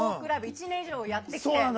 １年以上やってきて。